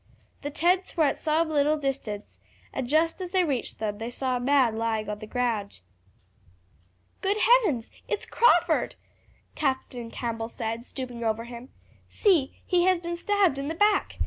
The tents were at some little distance, and just as they reached them they saw a man lying on the ground. "Good heavens, it is Crawford!" Captain Campbell said, stooping over him. "See, he has been stabbed in the back.